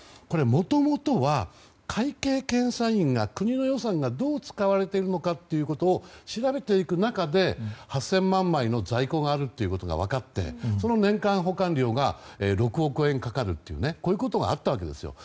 これ、もともとは会計検査院が国の予算がどう使われているのかを調べていく中で８０００万枚の在庫があることが分かってその年間保管料が６億円かかるとこういうことがあったわけです。